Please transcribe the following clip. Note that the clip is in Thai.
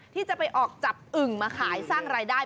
ที่จะไปออกจับอึ่งมาขายสร้างรายได้